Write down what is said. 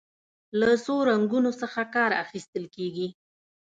له څو رنګونو څخه کار اخیستل کیږي.